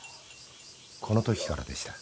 ［このときからでした。